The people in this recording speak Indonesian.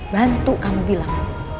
bantu kamu bilang